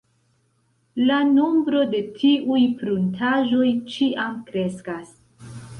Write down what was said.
La nombro de tiuj pruntaĵoj ĉiam kreskas.